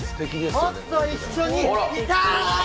もっと一緒にいたい！